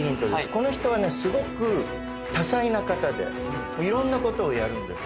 この人はねすごく多才な方でいろんなことをやるんです。